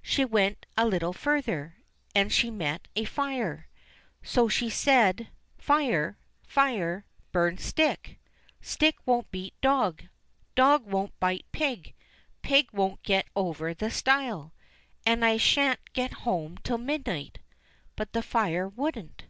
She went a little further, and she met a fire. So she said, Fire ! fire ! burn stick ; stick won't beat dog ; dog won't bite pig ; pig won't get over the stile ; and I shan't get home till midnight." But the fire wouldn't.